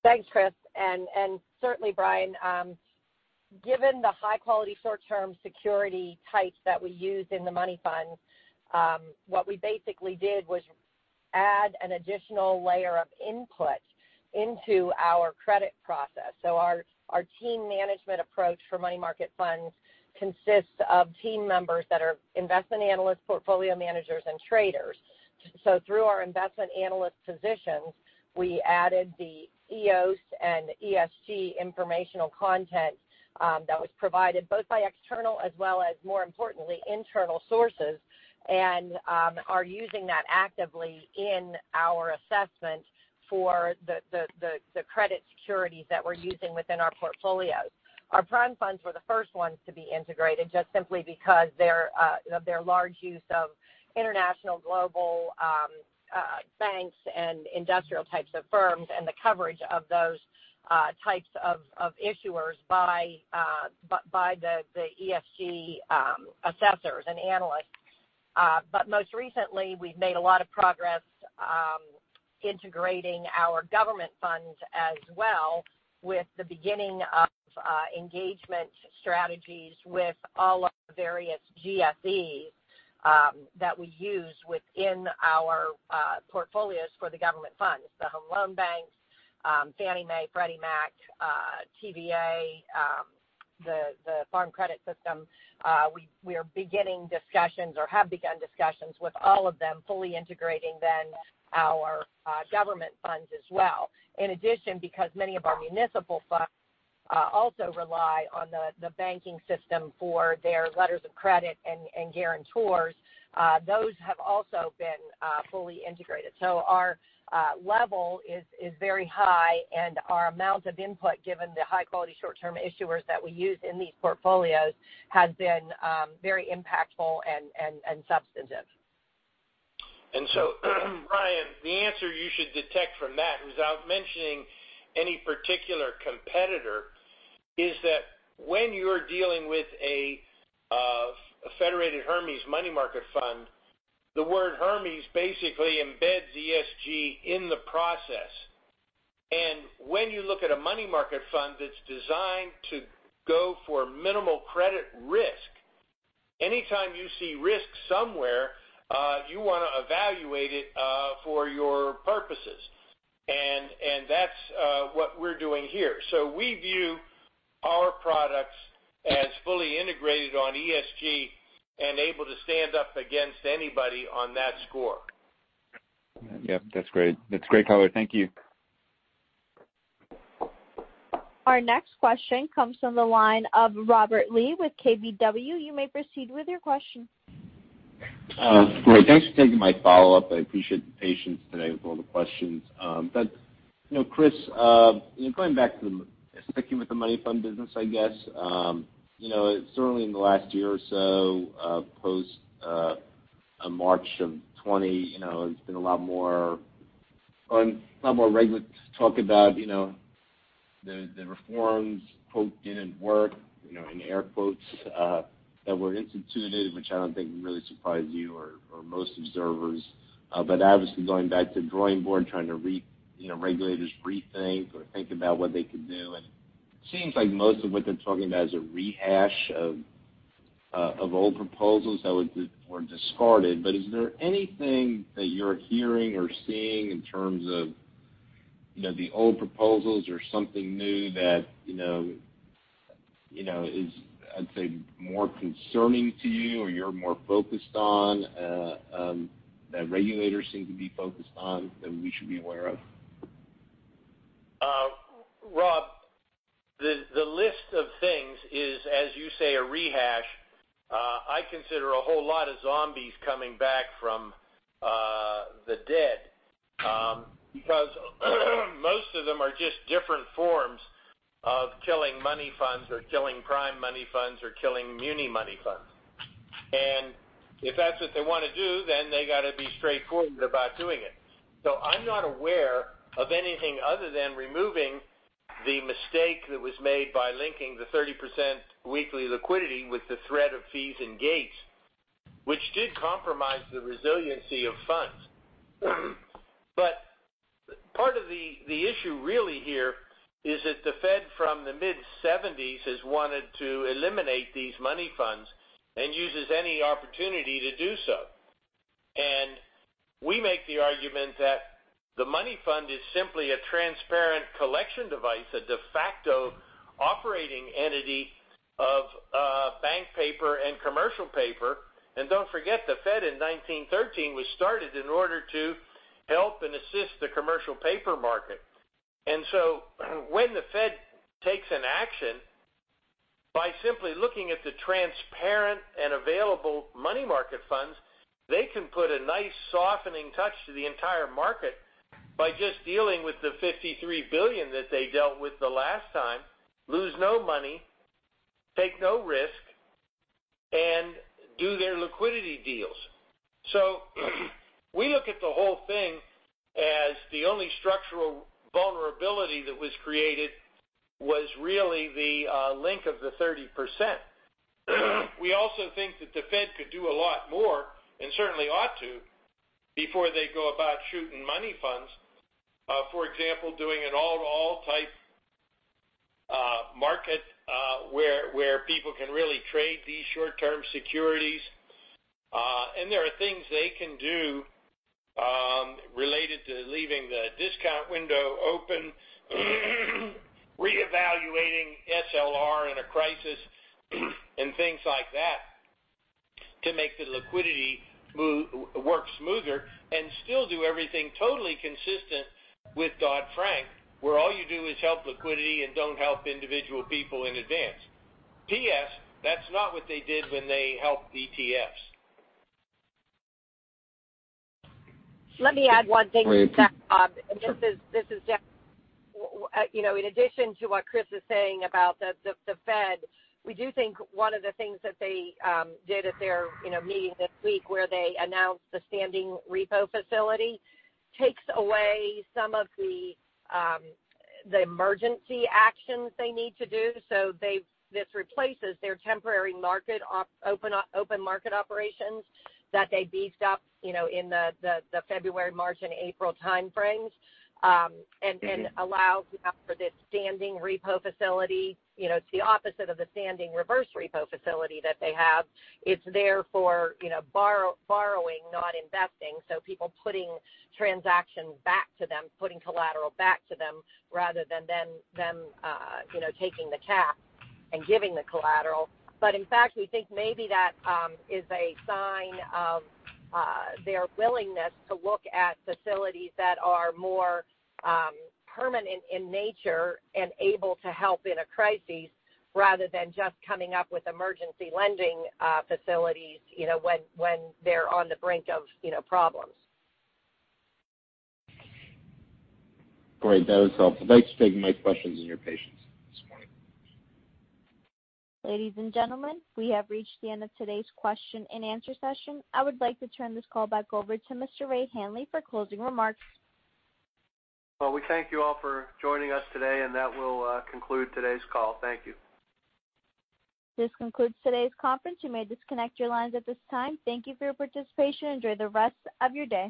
Thanks, Chris, and certainly, Brian. Given the high quality short-term security types that we use in the money funds, what we basically did was add an additional layer of input into our credit process. Our team management approach for money market funds consists of team members that are investment analysts, portfolio managers, and traders. Through our investment analyst positions, we added the EOS and ESG informational content that was provided both by external as well as more importantly, internal sources, and are using that actively in our assessment for the credit securities that we're using within our portfolios. Our prime funds were the first ones to be integrated, just simply because of their large use of international global banks and industrial types of firms, and the coverage of those types of issuers by the ESG assessors and analysts. Most recently, we've made a lot of progress integrating our government funds as well with the beginning of engagement strategies with all of the various GSEs that we use within our portfolios for the government funds. The home loan banks, Fannie Mae, Freddie Mac, TVA, the Farm Credit System. We are beginning discussions or have begun discussions with all of them, fully integrating then our government funds as well. In addition, because many of our municipal funds also rely on the banking system for their letters of credit and guarantors, those have also been fully integrated. Our level is very high, and our amount of input, given the high-quality short-term issuers that we use in these portfolios, has been very impactful and substantive. Brian, the answer you should detect from that, without mentioning any particular competitor, is that when you are dealing with a Federated Hermes money market fund, the word Hermes basically embeds ESG in the process. When you look at a money market fund that's designed to go for minimal credit risk, anytime you see risk somewhere, you want to evaluate it for your purposes. That's what we're doing here. We view our products as fully integrated on ESG and able to stand up against anybody on that score. Yep, that's great. That's great color. Thank you. Our next question comes from the line of Robert Lee with KBW. You may proceed with your question. Great. Thanks for taking my follow-up. I appreciate the patience today with all the questions. Chris, going back to sticking with the money fund business, I guess. Certainly in the last year or so, post March of 2020, there's been a lot more talk about the reforms, "didn't work," in air quotes, that were instituted, which I don't think really surprised you or most observers. Obviously going back to the drawing board, trying to regulators rethink about what they could do. It seems like most of what they're talking about is a rehash of old proposals that were discarded. Is there anything that you're hearing or seeing in terms of the old proposals or something new that is, I'd say, more concerning to you or you're more focused on, that regulators seem to be focused on, that we should be aware of? Rob, the list of things is, as you say, a rehash. I consider a whole lot of zombies coming back from the dead. Most of them are just different forms of killing money funds or killing prime money funds or killing muni money funds. If that's what they want to do, then they got to be straightforward about doing it. I'm not aware of anything other than removing the mistake that was made by linking the 30% weekly liquidity with the threat of fees and gates, which did compromise the resiliency of funds. Part of the issue really here is that the Fed from the mid-1970s has wanted to eliminate these money funds and uses any opportunity to do so. We make the argument that the money fund is simply a transparent collection device, a de facto operating entity of bank paper and commercial paper. Don't forget, the Fed in 1913 was started in order to help and assist the commercial paper market. When the Fed takes an action, by simply looking at the transparent and available money market funds, they can put a nice softening touch to the entire market by just dealing with the $53 billion that they dealt with the last time, lose no money, take no risk, and do their liquidity deals. We look at the whole thing as the only structural vulnerability that was created was really the link of the 30%. We also think that the Fed could do a lot more, and certainly ought to, before they go about shooting money funds. For example, doing an all-to-all type market where people can really trade these short-term securities. There are things they can do related to leaving the discount window open re-evaluating SLR in a crisis and things like that to make the liquidity work smoother and still do everything totally consistent with Dodd-Frank, where all you do is help liquidity and don't help individual people in advance. PS, that's not what they did when they helped ETFs. Let me add one thing to that, Rob. This is Debbie. In addition to what Chris is saying about the Fed, we do think one of the things that they did at their meeting this week where they announced the standing repo facility takes away some of the emergency actions they need to do. This replaces their temporary open market operations that they beefed up in the February, March, and April time frames. Allows for this standing repo facility. It's the opposite of the standing reverse repo facility that they have. It's there for borrowing, not investing. People putting transactions back to them, putting collateral back to them, rather than them taking the cash and giving the collateral. In fact, we think maybe that is a sign of their willingness to look at facilities that are more permanent in nature and able to help in a crisis rather than just coming up with emergency lending facilities when they're on the brink of problems. Great. That was helpful. Thanks for taking my questions and your patience this morning. Ladies and gentlemen, we have reached the end of today's question and answer session. I would like to turn this call back over to Mr. Ray Hanley for closing remarks. Well, we thank you all for joining us today, and that will conclude today's call. Thank you. This concludes today's conference. You may disconnect your lines at this time. Thank you for your participation. Enjoy the rest of your day.